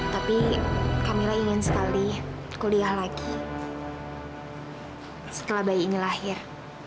tapi kamila ingin sekali kuliah lagi setelah bayi ini lahir